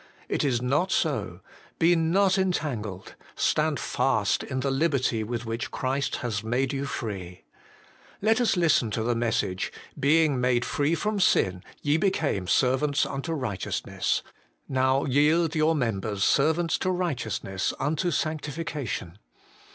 It is not so : be not entangled ; stand fast in the liberty with which Christ has made you free. Let us listen to the message :' Being made free from sin, ye became servants unto righteousness ; now yield your members servants to righteousness unto sanctification.'